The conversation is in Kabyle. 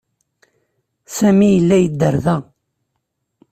Sami yella yedder da.